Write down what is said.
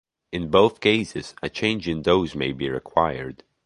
In both cases, a change in dose may be required.